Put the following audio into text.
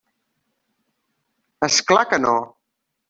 És clar que no.